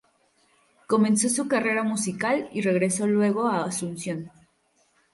Comenzó su carrera musical y regresó luego a Asunción.